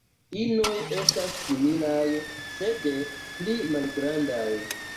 Inoj estas similaj, sed pli malgrandaj.